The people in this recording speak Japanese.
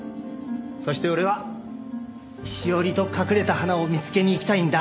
そして俺は志桜里と隠れた花を見つけに行きたいんだ。